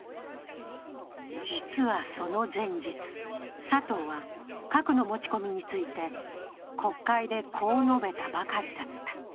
実はその前日、佐藤は核の持ち込みについて、国会で、こう述べたばかりだった。